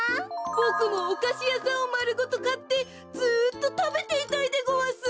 ボクもおかしやさんをまるごとかってずっとたべていたいでごわす！